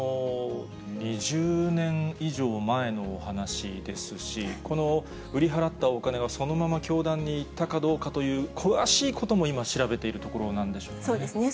２０年以上前のお話ですし、この売り払ったお金はそのまま教団に行ったかどうかという、詳しいことも今、調べているところなんでしょうね。